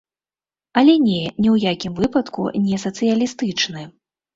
Але не, ні ў якім выпадку не сацыялістычны.